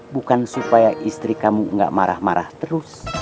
bukan supaya istri kamu gak marah marah terus